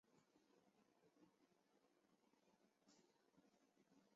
官至左副都御史。